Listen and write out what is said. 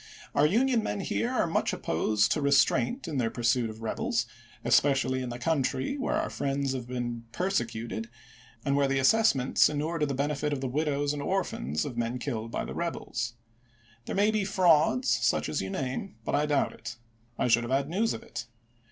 Our Union men are much opposed to re straint in their pursuit of rebels, especially in the country where our friends have been persecuted, and where the assessments inure to the benefit of the widows and orphans of men killed by the rebels. There may be frauds, such as you name, but I doubt it. I should have had news of it.